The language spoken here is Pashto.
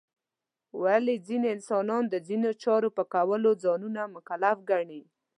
ولې ځینې انسانان د ځینو چارو په کولو ځانونه مکلف ګڼي؟